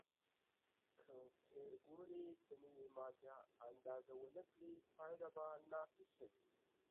که پېیر کوري د نوې ماده اندازه ونه کړي، پایله به ناقصه وي.